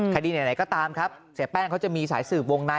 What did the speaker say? คดีไหนก็ตามครับเสียแป้งเขาจะมีสายสืบวงใน